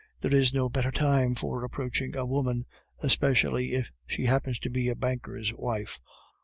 There is no better time for approaching a woman, especially if she happens to be a banker's wife.